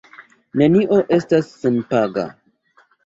Nenio estas senpaga.